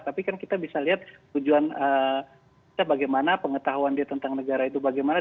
tapi kan kita bisa lihat tujuan kita bagaimana pengetahuan dia tentang negara itu bagaimana